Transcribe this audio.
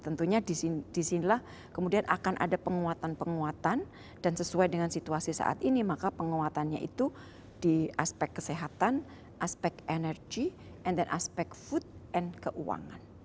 tentunya disinilah kemudian akan ada penguatan penguatan dan sesuai dengan situasi saat ini maka penguatannya itu di aspek kesehatan aspek energi and then aspek food and keuangan